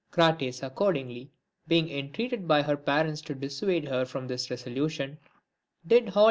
Crates accordingly, being entreated by her parents to dissuade her from this resolution, did all he * Horn.